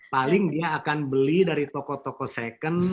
paling dia akan beli dari toko toko second